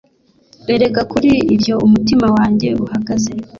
Erega kuri ibyo umutima wanjye uhagaze: